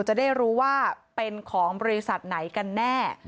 จะได้รู้ว่าเป็นของบริษัทไหนกันแน่